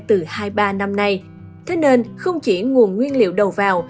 thế nên không chỉ nguồn nguyên liệu đầu vào